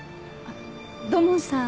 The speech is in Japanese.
土門さん